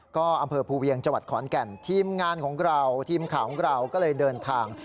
ก็อำเภอภูเวียงจังหวัดขอนแก่นทีมงานของเราทีมข่าวของเราก็เลยเดินทาง